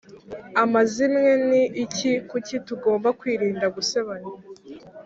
Amazimwe ni iki Kuki tugomba kwirinda gusebanya